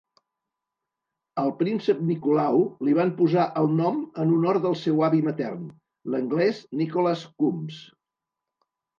Al príncep Nicolau li van posar el nom en honor del seu avi matern, l'anglès Nicholas Coombs.